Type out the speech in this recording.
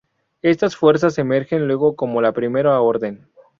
Estas fuerzas emergen luego como la Primera Orden.